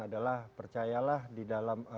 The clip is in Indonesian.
adalah percayalah di dalam